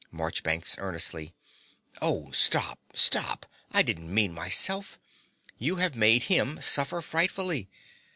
MARCHBANKS (earnestly). Oh, stop, stop: I don't mean myself. You have made him suffer frightfully.